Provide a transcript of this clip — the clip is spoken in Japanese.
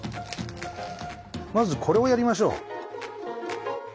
まずこれをやりましょう。